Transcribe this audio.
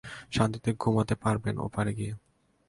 শান্তিতে ঘুমাতে পারবেন ওপারে গিয়ে!